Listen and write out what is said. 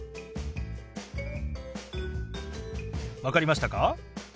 分かりましたか？